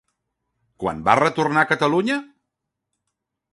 Quan va retornar a Catalunya?